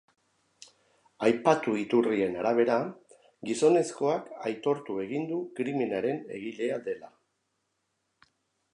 Aipatu iturrien arabera, gizonezkoak aitortu egin du krimenaren egilea dela.